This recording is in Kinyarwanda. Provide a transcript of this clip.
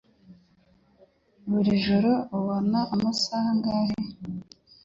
Buri joro ubona amasaha angahe?